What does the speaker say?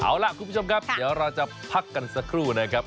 เอาล่ะคุณผู้ชมครับเดี๋ยวเราจะพักกันสักครู่นะครับ